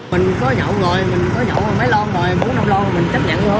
mình có nhậu rồi mình có nhậu một mấy lon rồi bốn năm lon rồi mình chấp nhận thôi